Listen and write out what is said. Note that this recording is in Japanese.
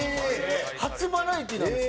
初バラエティーなんです。